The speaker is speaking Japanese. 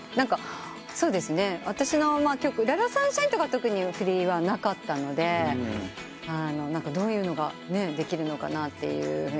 『ララサンシャイン』とか特に振りはなかったのでどういうのができるのかなと思いましたけど。